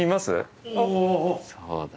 そうだ。